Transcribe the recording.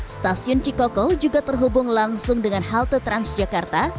stasiun cikoko juga terhubung langsung dengan halte transjakarta